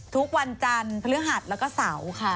ทุกวันจันทร์พฤหัสแล้วก็เสาร์ค่ะ